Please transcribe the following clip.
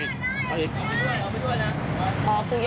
กับสิงหานี้